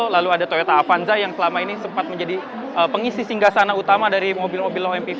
lalu ada toyota avanza yang selama ini sempat menjadi pengisi singgah sana utama dari mobil mobil low mpv